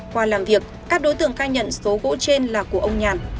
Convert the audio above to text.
qua làm việc các đối tượng khai nhận số gỗ trên là của ông nhàn